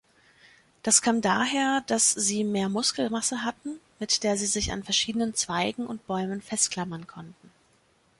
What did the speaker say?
Das kam daher, dass sie mehr Muskelmasse hatten, mit der sie sich an verschiedenen Zweigen und Bäumen festklammern konnten.